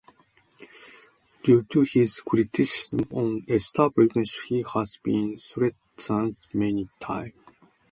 Due to his criticism on establishment he has been threatened many time.